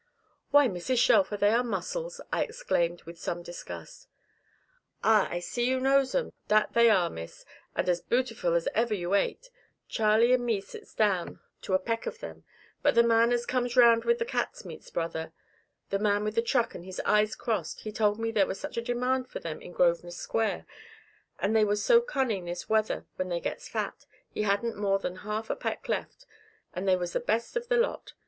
"Why, Mrs. Shelfer, they are muscles," I exclaimed with some disgust. "Ah I see you knows 'em, that they are, Miss, and as bootiful as ever you ate. Charley and me sits down to a peck of them. But the man as comes round with the catsmeat's brother the man with the truck and his eyes crossed, he told me there was such a demand for them in Grosvenor Square, and they was so cunning this weather when they gets fat, he hadn't more than half a peck left, but they was the best of the lot.